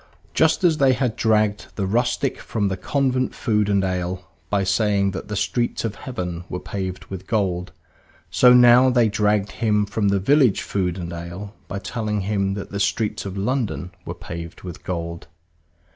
Just as they had dragged the rustic from the convent food and ale by saying that the streets of heaven were paved with gold, so now they dragged him from the village food and ale by telling him that the streets of London were paved with gold.